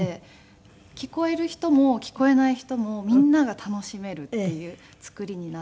聞こえる人も聞こえない人もみんなが楽しめるっていう作りになっていて。